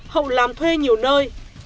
hậu làm thuê nhiều nơi